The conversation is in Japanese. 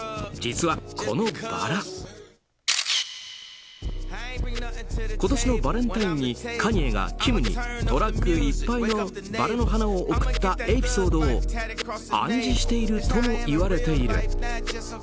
実はこのバラ今年のバレンタインにカニエがキムにトラックいっぱいのバラの花を贈ったエピソードを暗示しているともいわれている。